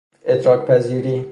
ادراک پذیری